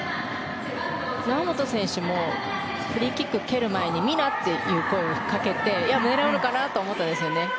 猶本選手もフリーキック蹴る前に美南っていう声をかけて狙うのかなと思ったんですね。